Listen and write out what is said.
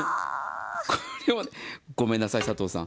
これ、ごめんなさい、佐藤さん。